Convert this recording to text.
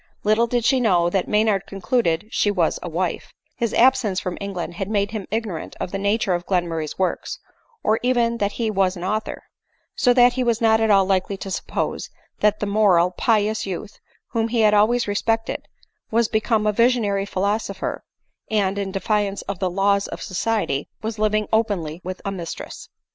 Little did she know that Maynard concluded she was a wife : his absence from England had made him ignorant of the nature of Glen murray's works, or even that he was an author ; so that be was not at all likely to suppose that the moral, pious youth, whom he had always respected, was become a visionary philosopher, and, in defiance of the laws of society, was living openly with a mistress.